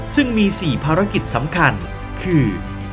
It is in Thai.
ซึ่งมี๔ภารกิจสำคัญคือ